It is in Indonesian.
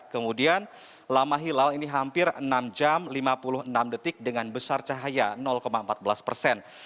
kemudian lama hilal ini hampir enam jam lima puluh enam detik dengan besar cahaya empat belas persen